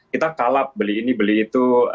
kita kalap beli ini beli itu